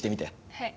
はい。